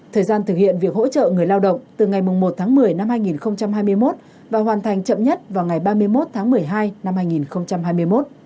thời gian thực hiện việc hỗ trợ người lao động từ ngày một tháng một mươi năm hai nghìn hai mươi một và hoàn thành chậm nhất vào ngày ba mươi một tháng một mươi hai năm hai nghìn hai mươi một